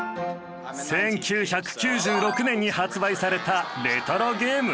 １９９６年に発売されたレトロゲーム。